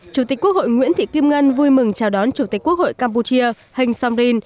chủ tịch quốc hội nguyễn thị kim ngân vui mừng chào đón chủ tịch quốc hội campuchia hành song rin